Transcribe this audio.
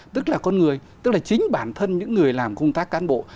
tức là chính bản thân những người làm công tác cán bộ